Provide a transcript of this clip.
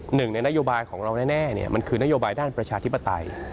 หนึ่งในนโยบายของเราแน่มันคือนโยบายด้านประชาธิปไตย